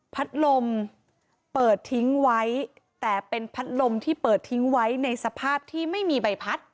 พัดลมเปิดทิ้งไว้แต่เป็นพัดลมที่เปิดทิ้งไว้ในสภาพที่ไม่มีใบพัด